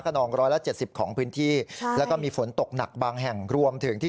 กระนอง๑๗๐ของพื้นที่แล้วก็มีฝนตกหนักบางแห่งรวมถึงที่